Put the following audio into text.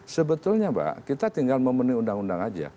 sebetulnya kita tinggal memenuhi undang undang saja